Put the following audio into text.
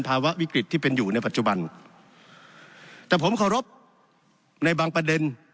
ภาวะวิกฤตที่เป็นอยู่ในปัจจุบันแต่ผมเคารพในบางประเด็น